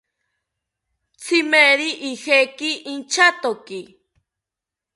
Tzimeri ijeki inchatoki